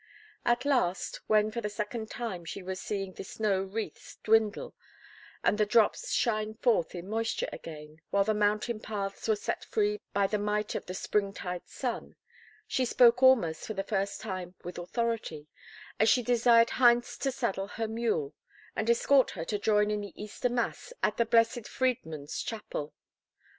At last, when for the second time she was seeing the snow wreaths dwindle, and the drops shine forth in moisture again, while the mountain paths were set free by the might of the springtide sun, she spoke almost for the first time with authority, as she desired Heinz to saddle her mule, and escort her to join in the Easter mass at the Blessed Friedmund's Chapel.